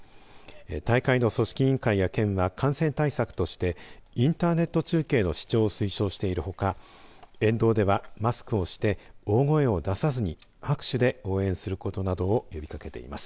大会の組織委員会や県は感染対策としてインターネット中継の視聴を推奨しているほか沿道ではマスクをして大声を出さずに拍手で応援することなどを呼びかけています。